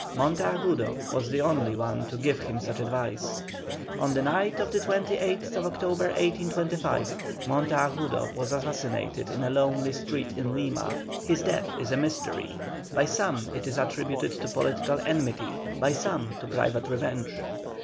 Monteagudo was the only one to give him such advice. On the night of the 28th January, 1825, Monteagudo was assassinated in a lonely street in Lima. His death is a mystery; by some it is attributed to political enmity, by some to private revenge.